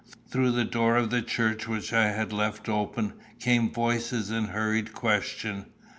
Through the door of the church, which I had left open, came voices in hurried question.